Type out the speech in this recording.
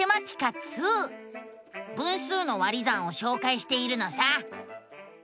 分数の「割り算」をしょうかいしているのさ。